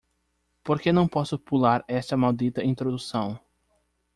Por que não posso pular esta maldita introdução?